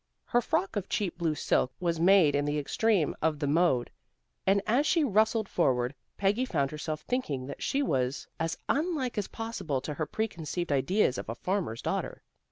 Her frock of cheap blue silk was made in the extreme of the mode, and as she rustled forward, Peggy found herself thinking that she was as unlike as possible to her preconceived ideas of a farmer's daughter.